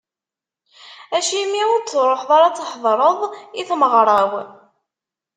Acimi ur d-truḥeḍ ara ad tḥedreḍ i tmeɣra-w?